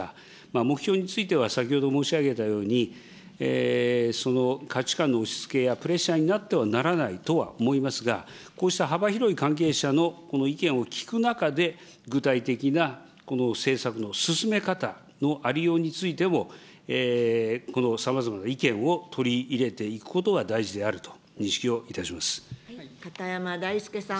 目標については先ほど申し上げたように、価値観の押しつけやプレッシャーになってはならないとは思いますが、こうした幅広い関係者のこの意見を聞く中で、具体的なこの政策の進め方のありようについても、さまざまな意見を取り入れていくことは大事であると認識をいたし片山大介さん。